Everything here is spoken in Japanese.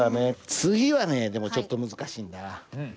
次はねでもちょっと難しいんだ。